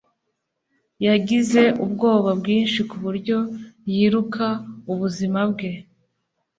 Yagize ubwoba bwinshi kuburyo yiruka ubuzima bwe